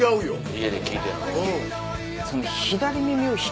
家で聴いてるのと。